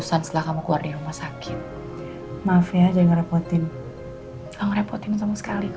selamat that's totem